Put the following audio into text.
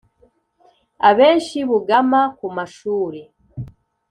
Abenshi bugama ku mashuri